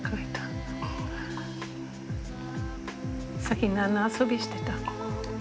さっき何の遊びしてた？